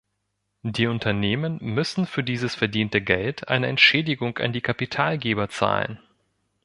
Die Unternehmen müssen für dieses verdiente Geld eine Entschädigung an die Kapitalgeber zahlen.